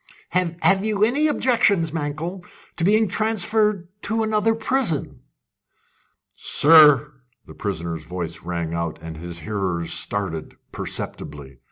"Have you any objection, Mankell, to being transferred to another prison?" "Sir!" the prisoner's voice rang out, and his hearers started perceptibly.